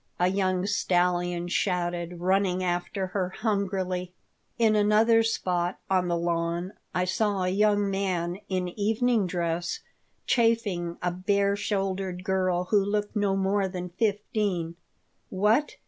a young stallion shouted, running after her hungrily In another spot, on the lawn, I saw a young man in evening dress chaffing a bare shouldered girl who looked no more than fifteen "What!